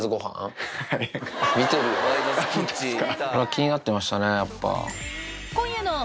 気になってましたねやっぱ。